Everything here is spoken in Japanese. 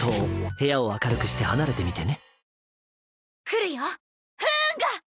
部屋を明るくして離れて見てね。